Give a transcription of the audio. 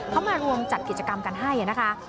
เขามารวมจัดกิจกรรมกันให้นะคะ